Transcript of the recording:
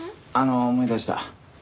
あの思い出した。